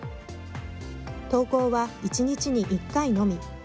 投稿は、１日に１回のみ。